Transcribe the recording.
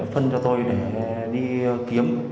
phân cho tôi để đi kiếm